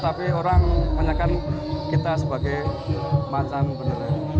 tapi orang menyakankan kita sebagai macam beneran